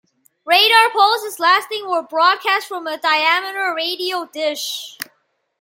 Radar pulses lasting were broadcast from a diameter radio dish.